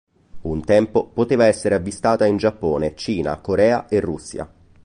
Un tempo, poteva essere avvistata in Giappone, Cina, Corea e Russia.